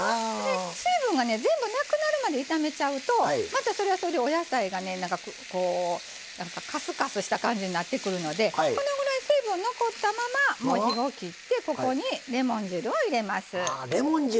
水分が全部なくなるまで炒めちゃうとまた、それはそれでお野菜がかすかすした感じになりますのでこのぐらい水分を残ったままレモン汁を入れます。